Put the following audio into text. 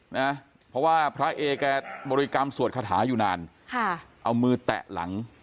นะเพราะว่าพระเอแกบริกรรมสวดคาถาอยู่นานค่ะเอามือแตะหลัง